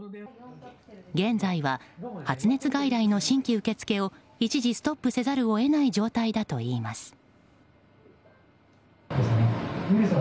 現在は発熱外来の新規受け付けを一時ストップせざるを得ない状態だといいます。